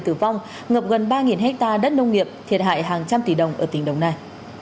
tử vong ngập gần ba hectare đất nông nghiệp thiệt hại hàng trăm tỷ đồng ở tỉnh đồng nai